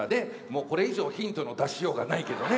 もうこれ以上ヒントの出しようがないけどね。